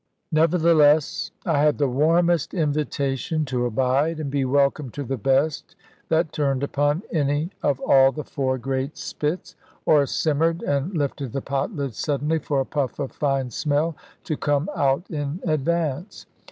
Nevertheless I had the warmest invitation to abide, and be welcome to the best that turned upon any of all the four great spits, or simmered and lifted the pot lids suddenly for a puff of fine smell to come out in advance.